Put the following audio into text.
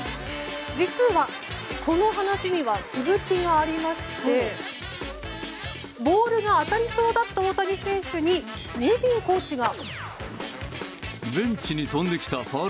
実は、この話には続きがありましてボールが当たりそうだった大谷選手にネビンコーチが。